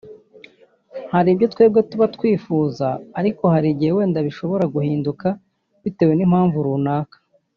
Hari ibyo twebwe tuba twifuza ariko hari igihe wenda bishobora guhinduka bitewe n’impamvu runaka